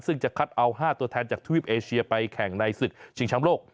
ซึ่งจะคัดเอา๕ตัวแทนจากทวีปเอเชียไปแข่งในศึกชิงช้ำโลก